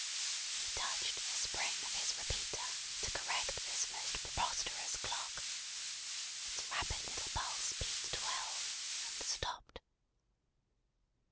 He touched the spring of his repeater, to correct this most preposterous clock. Its rapid little pulse beat twelve: and stopped.